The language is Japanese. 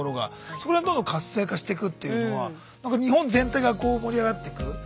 それがどんどん活性化してくっていうのは日本全体がこう盛り上がってく。